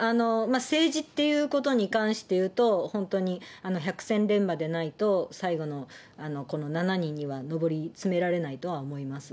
政治っていうことに関して言うと、本当に百戦錬磨でないと、最後のこの７人には上り詰められないとは思います。